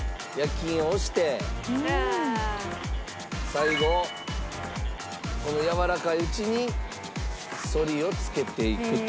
最後このやわらかいうちに反りをつけていくという。